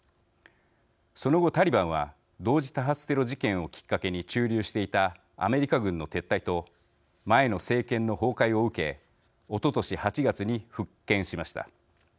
その後、タリバンは同時多発テロ事件をきっかけに駐留していたアメリカ軍の撤退と前の政権の崩壊を受けおととし８月に復権しました。